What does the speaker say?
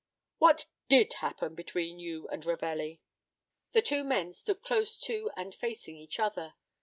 "What did happen between you and Ravelli?" The two men stood close to and facing each other.